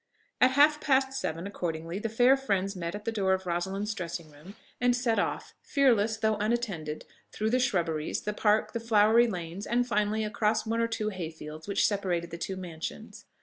At half past seven, accordingly, the fair friends met at the door of Rosalind's dressing room, and set off, fearless, though unattended, through the shrubberies, the park, the flowery lanes, and finally, across one or two hay fields, which separated the two mansions.